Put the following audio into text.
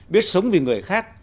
biết sống vì người khác